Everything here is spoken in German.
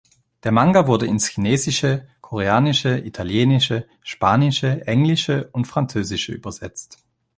Der Manga wurde ins Chinesische, Koreanische, Italienische, Spanische, Englische und Französische übersetzt.